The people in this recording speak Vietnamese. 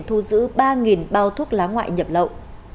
thu giữ ba bao thuốc lá ngoại nhập lậu